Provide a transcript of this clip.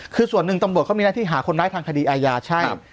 คือส่วนหนึ่งตำรวจเขามีหน้าที่หาคนร้ายทางคดีอาญาใช่